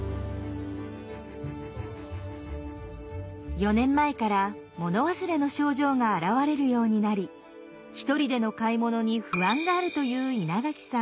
４年前から物忘れの症状が現れるようになり１人での買い物に不安があるという稲垣さん。